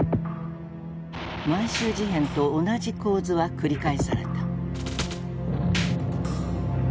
満州事変と同じ構図は繰り返された。